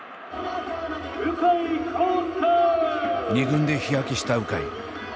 ２軍で日焼けした鵜飼。